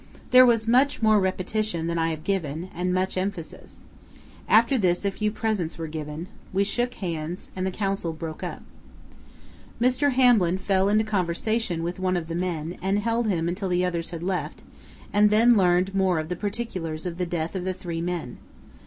There was much more repetition than I have given, and much emphasis. After this a few presents were given, we shook hands, and the council broke up. Mr. Hamblin fell into conversation with one of the men and held him until the others had left, and then learned more of the particulars of the death of the three men.